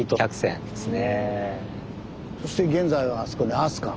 そして現在はあそこに飛鳥。